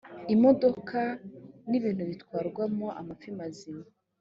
imodoka n ibintu bitwarwamo amafi mazima